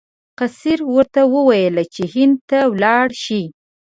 قیصر ورته وویل چې هند ته ولاړ شي.